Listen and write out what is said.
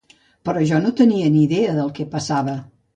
Però jo no tenia ni idea del què passava.